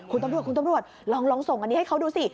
คุณตำรวจลองส่งอันนี้ให้เขาดูสิ